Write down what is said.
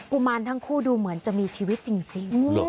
ุมารทั้งคู่ดูเหมือนจะมีชีวิตจริง